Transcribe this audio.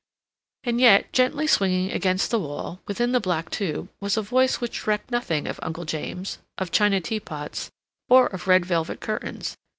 And yet, gently swinging against the wall, within the black tube, was a voice which recked nothing of Uncle James, of China teapots, or of red velvet curtains.